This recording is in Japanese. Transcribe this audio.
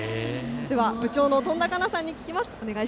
では部長のとんだかなさんに聞きます。